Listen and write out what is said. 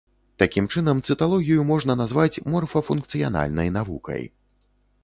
Такім чынам цыталогію можна назваць морфафункцыянальнай навукай.